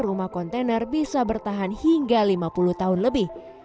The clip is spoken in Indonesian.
rumah kontainer bisa bertahan hingga lima puluh tahun lebih